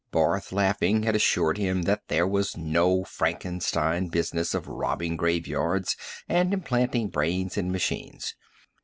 Barth, laughing, had assured him that there was no Frankenstein business of robbing graveyards and implanting brains in machines.